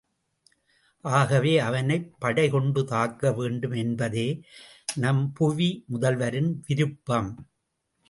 ஆகவே, அவனைப் படை கொண்டு தாக்க வேண்டும் என்பதே நம் புவி முதல்வரின் விருப்பம்.